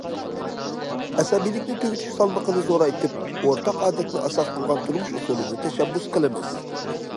ئەسەبىيلىكنى تۈگىتىش سالمىقىنى زورايتىپ، ئورتاق ئادەتنى ئاساس قىلغان تۇرمۇش ئۇسۇلىنى تەشەببۇس قىلىمىز.